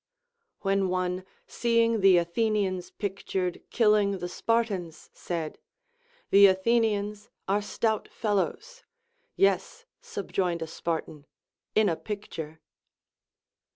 AVhen one, seeing the Athenians pictured killing the Spartans, said, The Athenians are stout fellows ; Yes, subjoined a Spartan, in a picture.